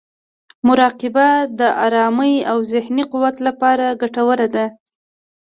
مراقبه د ارامۍ او ذهني قوت لپاره ګټوره ده.